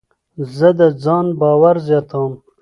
زه د ځان باور زیاتوم.